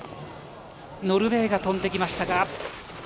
ノルウェーが飛んできました。